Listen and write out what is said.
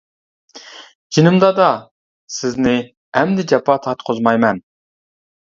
جېنىم دادا، سىزنى ئەمدى جاپا تارتقۇزمايمەن.